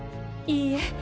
いいえ。